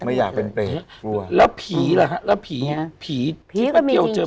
ไม่อยากเป็นเปรตแล้วผีล่ะแล้วผีผีผีก็มีจริงจริง